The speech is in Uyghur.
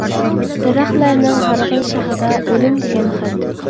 دەرەخلەرنىڭ ھارغىن شېخىدا، ئۆلۈم دېگەن خەت.